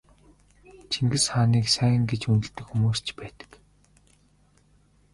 Чингис хааныг сайн гэж үнэлдэг хүмүүс ч байдаг.